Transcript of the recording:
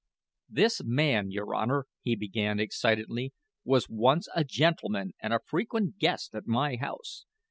"This man, your Honor," he began, excitedly, "was once a gentleman and a frequent guest at my house.